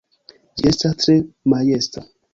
Ĝi estas tre majesta!